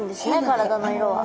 体の色は。